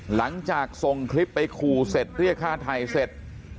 หลังจากส่งคลิปไปขู่เสร็จเรียกฆ่าไทยเสร็จ